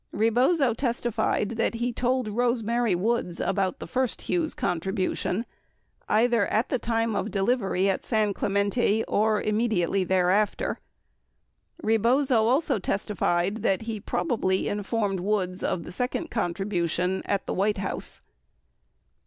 57 Rebozo testified that he told Rose Mary Woods about the first Hughes contribution either at the time of delivery at San Clemente or immediately thereafter. 58 Rebozo also testified that he probably informed Woods of the second contribution at the White House.